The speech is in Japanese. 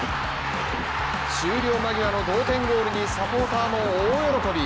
終了間際の同点ゴールにサポーターも大喜び。